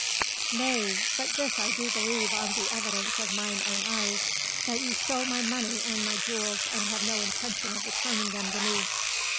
"Nay! but this I do believe on the evidence of mine own eyes that you stole my money and my jewels and have no intention of returning them to me."